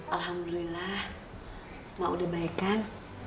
alhamdulillah mbak udah baik kan